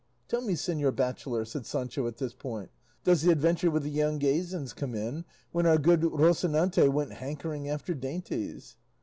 "Tell me, señor bachelor," said Sancho at this point, "does the adventure with the Yanguesans come in, when our good Rocinante went hankering after dainties?"